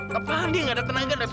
gapalah dia gak ada tenaga